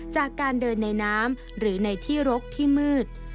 จากการเดินในน้ำหรือในที่รกที่มืด